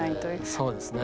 そうですね。